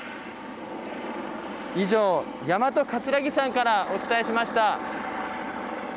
以上、大和葛城山からお伝えしました。